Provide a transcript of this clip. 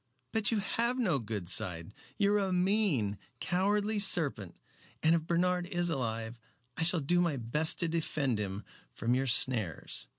But you have no good side. You are a mean, cowardly serpent, and if Bernard is alive I shall do my best to defend him from your snares."